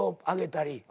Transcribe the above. あげたり。